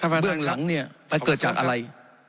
เบื้องหลังเนี่ยมันเกิดจากอะไร